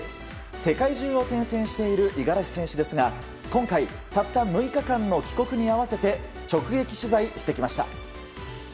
世界中を転戦している五十嵐選手ですが今回、たった６日間の帰国に合わせて直撃取材してきました。